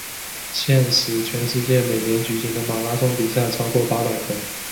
现时全世界每年举行的马拉松比赛超过八百个。